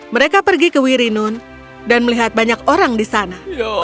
mereka pergi ke wirinun dan melihat banyak orang di sana